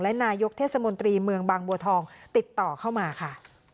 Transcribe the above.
และนายกเทศมนตรีเมืองบางบัวทองติดต่อเข้ามาค่ะ